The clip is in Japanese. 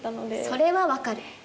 それはわかる。